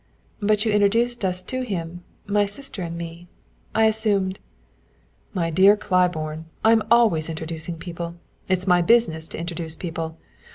"But you introduced us to him my sister and me. I assumed " "My dear Claiborne, I'm always introducing people! It's my business to introduce people.